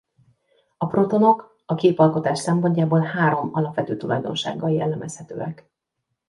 A protonok a képalkotás szempontjából három alapvető tulajdonsággal jellemezhetőek.